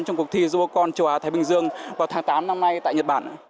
vậy thì rurocon có ý nghĩa như thế nào